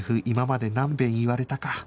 今まで何遍言われたか